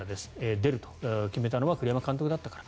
出ると決めたのは栗山監督だったから。